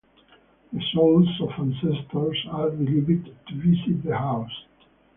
The souls of ancestors are believed to visit the house.